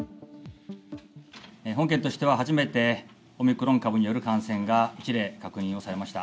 本県としては初めて、オミクロン株による感染が１例、確認をされました。